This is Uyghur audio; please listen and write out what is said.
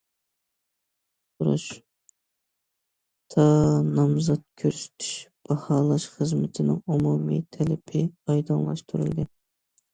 « ئۇقتۇرۇش» تا نامزات كۆرسىتىش، باھالاش خىزمىتىنىڭ ئومۇمىي تەلىپى ئايدىڭلاشتۇرۇلدى.